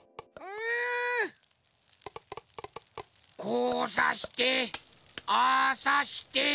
こうさしてああさして。